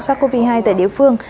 sars cov hai tại địa phương